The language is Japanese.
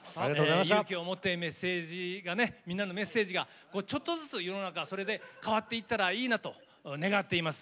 勇気を持ってみんなのメッセージがちょっとずつ世の中それで変わっていったらいいなと願っています。